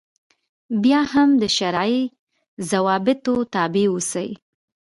بیا هم د شرعي ضوابطو تابع اوسي.